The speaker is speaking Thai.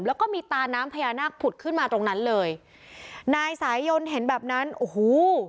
แล้วก็มีตาน้ำพญานาคผุดขึ้นมาตรงนั้นเลยนายสายยนเห็นแบบนั้นโอ้โห